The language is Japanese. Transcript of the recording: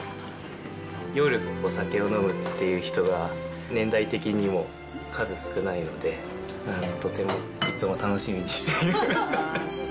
夜、お酒を飲むっていう人が年代的にも数少ないので、とても、いつも楽しみにしています。